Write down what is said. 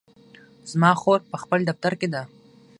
زما خور په خپل دفتر کې ده